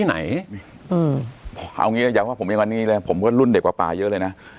เอาอย่างนี้ก็อยากว่าผมยังว่านี้เลยผมก็รุ่นเด็กกว่าป่าเยอะเลยนะ